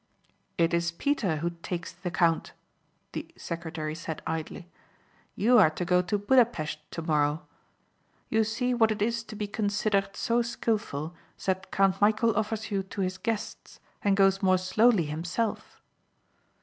"It is Peter who takes the count," the secretary said idly, "You are to go to Budapesth tomorrow. You see what it is to be considered so skillful that Count Michæl offers you to his guests and goes more slowly himself."